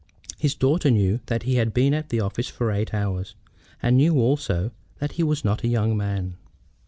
His daughter knew that he had been at the office for eight hours, and knew also that he was not a young man.